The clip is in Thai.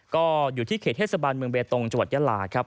ก็อยู่ที่เขตเทศบาลเมืองเบตงจังหวัดยาลาครับ